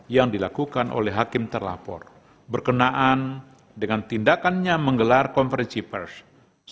yang dilakukan oleh hakim terlapor berkenaan dengan tindakannya menggelar konferensi pers